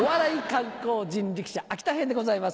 観光人力車秋田編でございます。